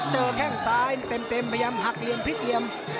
แข้งซ้ายเต็มพยายามหักเหลี่ยมพลิกเหลี่ยม